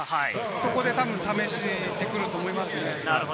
そこで試してくると思います。